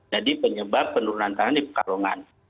jadi penyebab penurunan tanah di pekalongan